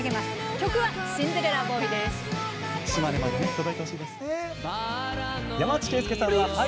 曲は「シンデレラボーイ」。